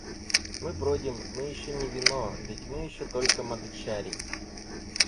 Мы бродим, мы еще не вино, ведь мы еще только мадчари.